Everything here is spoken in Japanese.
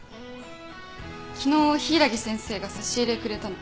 昨日柊木先生が差し入れくれたの。